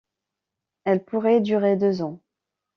Elle pourrait durer deux ans.